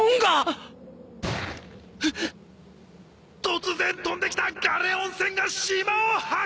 突然飛んできたガレオン船が島を破壊！